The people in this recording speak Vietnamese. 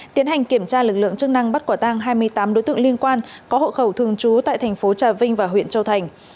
tiến hành kiểm tra lực lượng chức năng bắt quả tang hai mươi tám đối tượng liên quan có hộ khẩu thường trú tại thành phố trà vinh và huyện châu thành